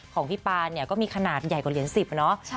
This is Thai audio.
ของพี่ปานเนี่ยก็มีขนาดใหญ่กว่าเหรียญ๑๐อะเนาะ